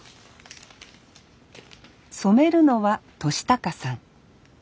染めるのは敏孝さん。